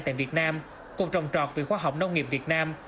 tại việt nam cục trồng trọt viện khoa học nông nghiệp việt nam